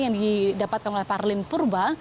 yang didapatkan oleh parlin purba